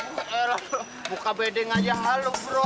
elah bro buka bedeng aja halo bro